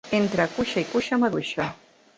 Entre cuixa i cuixa, maduixa.